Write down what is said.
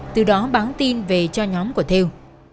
từ đó bán tin về cho nhóm của theo